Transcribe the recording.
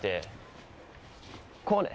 こうね。